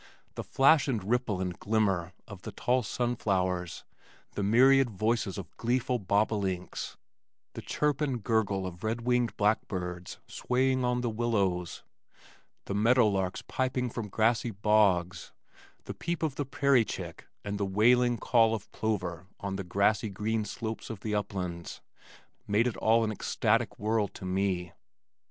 The flash and ripple and glimmer of the tall sunflowers, the myriad voices of gleeful bobolinks, the chirp and gurgle of red winged blackbirds swaying on the willows, the meadow larks piping from grassy bogs, the peep of the prairie chick and the wailing call of plover on the flowery green slopes of the uplands made it all an ecstatic world to me.